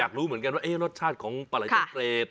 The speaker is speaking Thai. อยากรู้เหมือนกันว่าเอ๊ะรสชาติของปลาไหล่ชะเตรดค่ะ